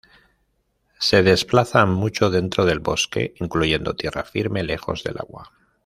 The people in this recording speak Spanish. Se desplazan mucho dentro del bosque, incluyendo tierra firme, lejos del agua.